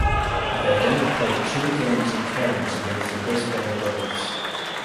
They then played two games in Cairns against the Brisbane Bullets.